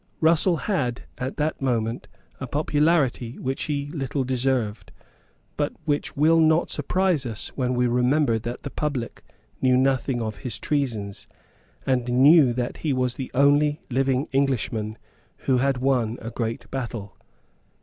Russell had, at that moment, a popularity which he little deserved, but which will not surprise us when we remember that the public knew nothing of his treasons, and knew that he was the only living Englishman who had won a great battle.